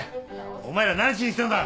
お前ら何しに来たんだ！？